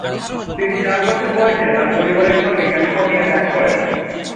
তিনি চার বছর বয়সে তার পরিবারের সঙ্গে ক্যালিফোর্নিয়া ত্যাগ করেন।